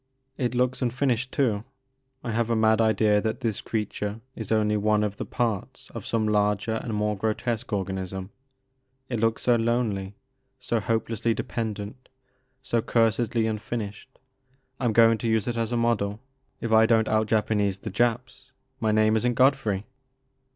It looks unfinished too. I have a mad idea that this creature is only one of the parts of some larger and more grotesque organism, — ^it looks so lonely, so hopelessly dependent, so cursedly unfinished. I 'm going to use it as a model. If I don't out Japanese the Japs my name is n*t Godfrey.